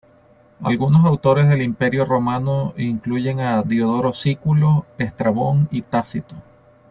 Algunos autores del Imperio Romano incluyen a Diodoro Sículo, Estrabón y Tácito.